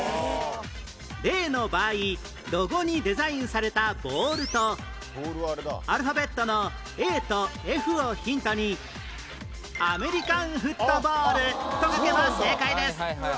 例の場合ロゴにデザインされたボールとアルファベットの Ａ と Ｆ をヒントにアメリカンフットボールと書けば正解です